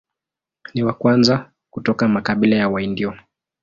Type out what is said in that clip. Ni wa kwanza kutoka makabila ya Waindio.